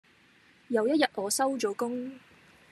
有一日我收咗工